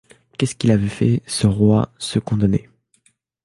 Qu'est-ce qu'il avait fait, ce roi, ce condamné